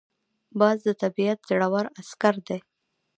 باز د طبیعت زړور عسکر دی